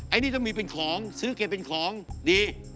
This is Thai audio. อันนี้ต้องมีเป็นของซื้อแกเป็นของดี